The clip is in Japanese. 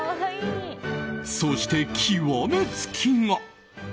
そして、極め付きが。